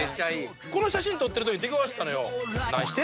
この写真撮ってるとき出くわしたのよ。